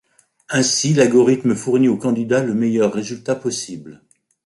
Ainsi, l’algorithme fournit au candidat le meilleur résultat possible.